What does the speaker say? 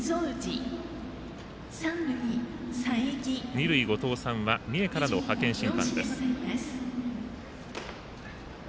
二塁、後藤さんは三重からの派遣審判です。